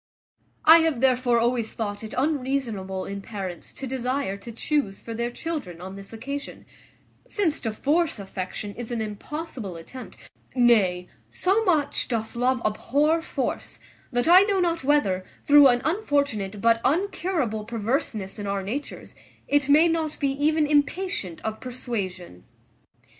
"I have therefore always thought it unreasonable in parents to desire to chuse for their children on this occasion; since to force affection is an impossible attempt; nay, so much doth love abhor force, that I know not whether, through an unfortunate but uncurable perverseness in our natures, it may not be even impatient of persuasion.